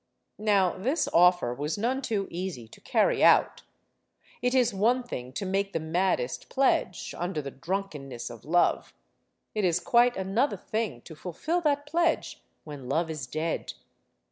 Now, this offer was none too easy to carry out. It is one thing to make the maddest pledge, under the drunkenness of love. It is quite another thing to fulfill that pledge when love is dead.